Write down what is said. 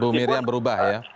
bu miriam berubah ya